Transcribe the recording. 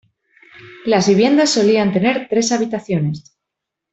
Las viviendas solían tener tres habitaciones.